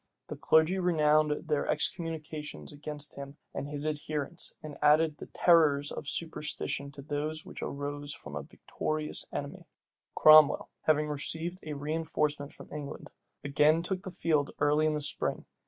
The clergy renewed their excommunications against him and his adherents, and added the terrors of superstition to those which arose from a victorious enemy. Cromwell, having received a reënforcement from England, again took the field early in the spring.